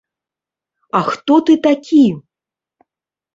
А хто ты такі?!